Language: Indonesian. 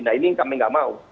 nah ini yang kami nggak mau